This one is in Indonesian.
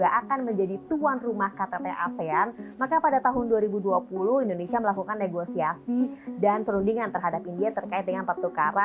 akhirnya saya senang bisa menerima presidensi g dua puluh ke presiden widodo